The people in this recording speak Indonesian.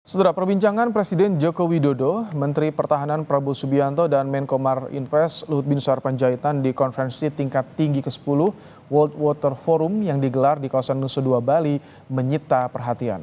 setelah perbincangan presiden joko widodo menteri pertahanan prabowo subianto dan menko marinvest luhut bin sarpanjaitan di konferensi tingkat tinggi ke sepuluh world water forum yang digelar di kawasan nusa dua bali menyita perhatian